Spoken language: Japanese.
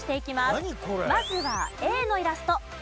まずはＡのイラスト。